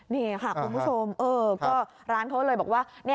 นี่ค่ะคุณผู้ชมก็ร้านเขาเลยบอกว่า